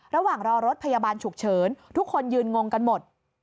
ระหว่างรอรถพยาบาลฉุกเฉินทุกคนยืนงงกันหมด